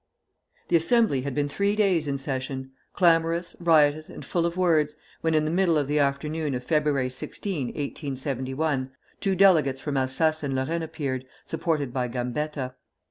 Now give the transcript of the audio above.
The Assembly had been three days in session, clamorous, riotous, and full of words, when in the middle of the afternoon of Feb. 16, 1871, two delegates from Alsace and Lorraine appeared, supported by Gambetta.